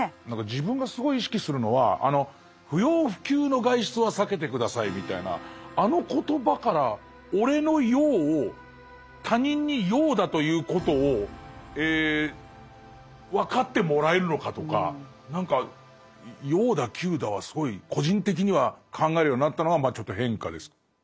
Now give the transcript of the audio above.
何か自分がすごい意識するのは「不要不急の外出は避けて下さい」みたいなあの言葉から俺の要を他人に要だということを分かってもらえるのかとか何か要だ急だはすごい個人的には考えるようになったのは変化です。